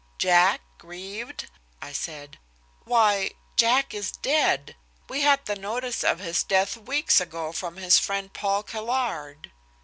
"Jack grieved?" I said. "Why! Jack is dead! We had the notice of his death weeks ago from his friend, Paul Caillard."